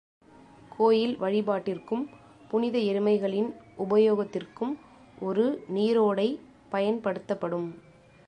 கோயில் வழிபாட்டிற்கும், புனித எருமைகளின் உபயோகத்திற்கும் ஒரு நீரோடை பயன்படுத்தப்படும்.